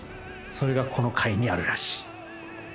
それがこの階にあるらしい。